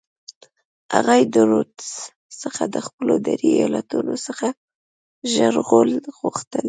هغوی د رودز څخه د خپلو درې ایالتونو ژغورل غوښتل.